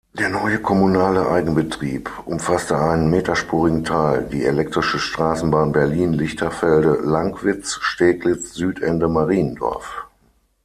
Der neue kommunale Eigenbetrieb umfasste einen meterspurigen Teil, die "Elektrische Straßenbahn Berlin-Lichterfelde–Lankwitz–Steglitz–Südende–Mariendorf".